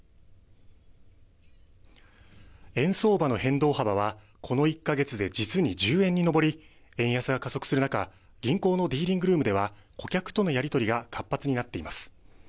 円相場の変動幅はこの１か月で実に１０円に上り円安が加速する中、銀行のディーリングルームでは顧客とのやり取りが活発になっています。